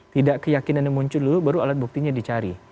tidak keyakinan yang muncul dulu baru alat buktinya dicari